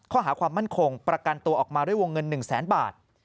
ข้อหาความมั่นคงประกันตัวออกมาด้วยวงเงิน๑แสนบาท